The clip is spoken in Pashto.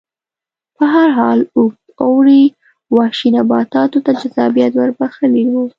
په هر حال اوږد اوړي وحشي نباتاتو ته جذابیت ور بخښلی و